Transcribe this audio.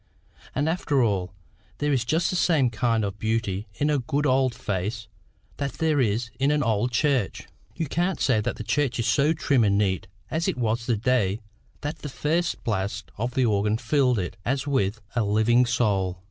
And after all, there is just the same kind of beauty in a good old face that there is in an old church. You can't say the church is so trim and neat as it was the day that the first blast of the organ filled it as with, a living soul.